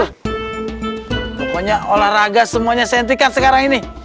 pokoknya olahraga semuanya sentri kan sekarang ini